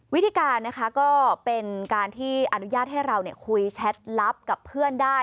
วิธีการนะคะก็เป็นการที่อนุญาตให้เราคุยแชทลับกับเพื่อนได้